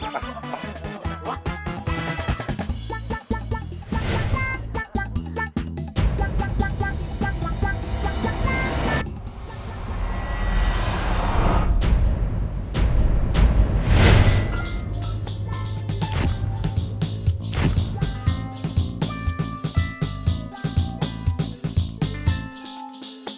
ไปไป